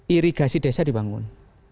irigasi desa dibangun